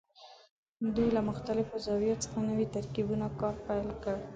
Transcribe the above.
دوی له مختلفو زاویو څخه نوو ترکیبونو کار پیل کړ.